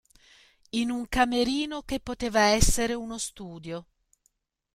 In un camerino che poteva essere uno studio.